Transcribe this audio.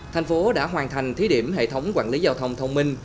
thành phố đã hoàn thành thí điểm hệ thống quản lý giao thông thông minh